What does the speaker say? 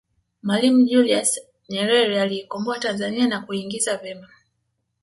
mwalimu julius nyerere aliikomboa tanzania na kuingiza vema